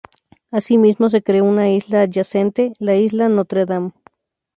Así mismo, se creó una isla adyacente, la isla Notre Dame.